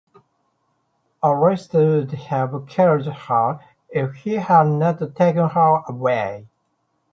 Alistair would have killed her if he had not taken her away.